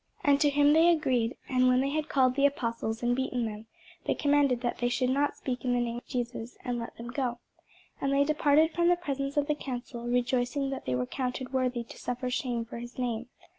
And to him they agreed: and when they had called the apostles, and beaten them, they commanded that they should not speak in the name of Jesus, and let them go. And they departed from the presence of the council, rejoicing that they were counted worthy to suffer shame for his name.